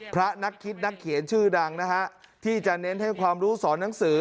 พระนักคิดนักเขียนชื่อดังนะฮะที่จะเน้นให้ความรู้สอนหนังสือ